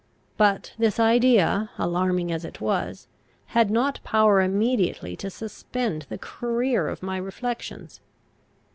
But this idea, alarming as it was, had not power immediately to suspend the career of my reflections.